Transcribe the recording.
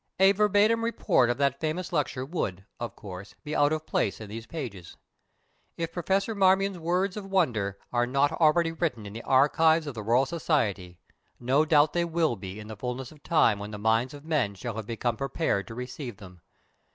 A verbatim report of that famous lecture would, of course, be out of place in these pages. If Professor Marmion's words of wonder are not already written in the archives of the Royal Society, no doubt they will be in the fullness of time when the minds of men shall have become prepared to receive them.